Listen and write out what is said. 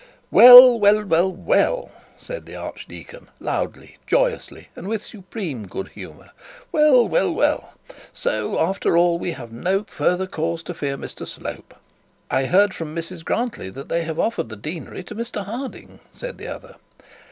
'Well, well, well, well,' said the archdeacon loudly, joyously, and with supreme good humour; 'well, well, well, well; so, after all, we have no further cause to fear Mr Slope.' 'I hear from Mrs Grantly that they have offered the deanery to Mr Harding,' said the other.